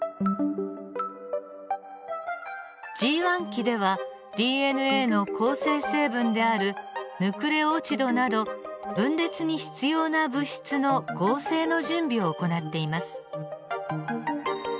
Ｇ期ではＤＮＡの構成成分であるヌクレオチドなど分裂に必要な物質の合成の準備を行っています。